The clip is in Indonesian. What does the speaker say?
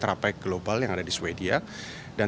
tetrapek global yang ada di sweden